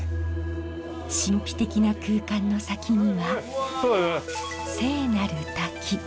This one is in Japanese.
神秘的な空間の先には聖なる滝。